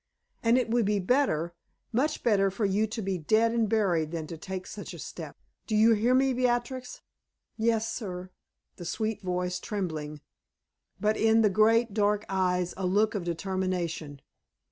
And it would be better much better for you to be dead and buried than to take such a step. Do you hear me, Beatrix?" "Yes, sir," the sweet voice trembling, but in the great dark eyes a look of determination.